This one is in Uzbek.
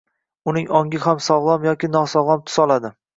uning ongi ham sog‘lom yoki nosog‘lom tus oladi.